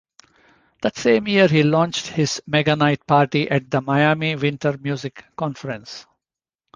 That same year he launched his Meganite party at the Miami Winter Music Conference.